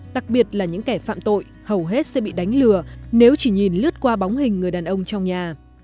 đặc biệt là những kẻ phạm tội hầu hết sẽ bị đánh lừa nếu chỉ nhìn lướt qua bóng hình người đàn ông trong nhà